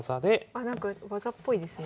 あなんか技っぽいですね。